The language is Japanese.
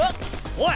おい！